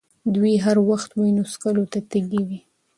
دوی هر وخت وینو څښلو ته تږي وي.